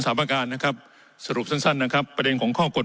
ประการนะครับสรุปสั้นนะครับประเด็นของข้อกฎ